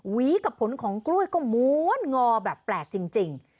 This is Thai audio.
วีกับผลของกล้วยก็ม้วนงอแบบแปลกจริง